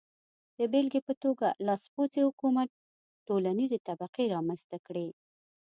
د بېلګې په توګه لاسپوڅي حکومت ټولنیزې طبقې رامنځته کړې.